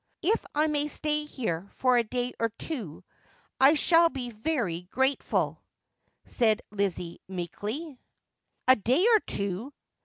' If I may stay here for a day or two I shall be very grateful,' said Lizzie meekly. 'A day or two!